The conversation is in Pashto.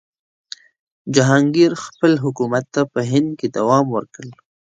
جهانګیر خپل حکومت ته په هند کې دوام ورکړ.